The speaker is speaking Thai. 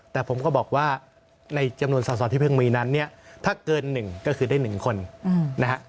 แต่ผมก็บอกว่าในจำนวนสอสอที่เพิ่งมีนั้นเนี่ยถ้าเกินหนึ่งก็คือได้๑คนนะฮะ